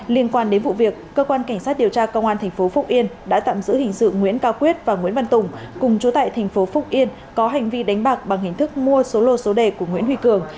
liên quan đến vụ việc cơ quan cảnh sát điều tra công an tp phúc yên đã tạm giữ hình sự nguyễn cao quyết và nguyễn văn tùng cùng chú tại thành phố phúc yên có hành vi đánh bạc bằng hình thức mua số lô số đề của nguyễn huy cường